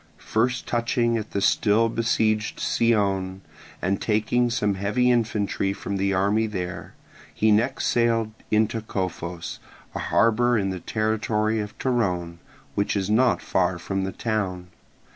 First touching at the still besieged Scione, and taking some heavy infantry from the army there, he next sailed into Cophos, a harbour in the territory of Torone, which is not far from the town.